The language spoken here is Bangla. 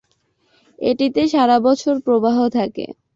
এটিতে সারা বছর প্রবাহ থাকে।